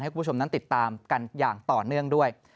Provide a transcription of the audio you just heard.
คุณผู้ชมนั้นติดตามกันอย่างต่อเนื่องด้วย